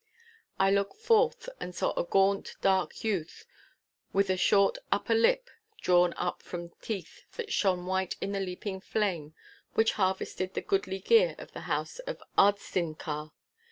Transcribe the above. I looked forth and saw a gaunt, dark youth, with a short upper lip drawn up from teeth that shone white in the leaping flame which harvested the goodly gear of the house of Ardstinchar.